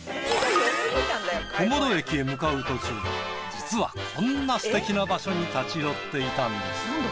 小諸駅へ向かう途中実はこんな素敵な場所に立ち寄っていたんです。